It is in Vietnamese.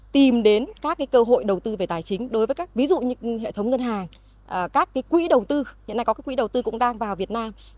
tìm đến các cơ hội đầu tư về tài chính đối với các ví dụ như hệ thống ngân hàng các quỹ đầu tư hiện nay có quỹ đầu tư cũng đang vào việt nam